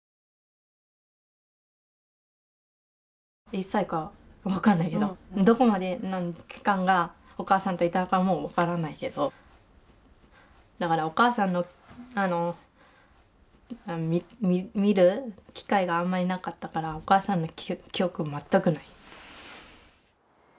１歳か分かんないけどどこまでの期間がお母さんといたのかも分からないけどだからお母さんの見る機会があんまりなかったからお母さんの記憶全くない。